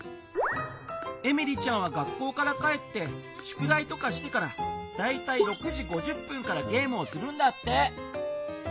エミリちゃんは学校から帰ってしゅくだいとかしてからだいたい６時５０分からゲームをするんだって。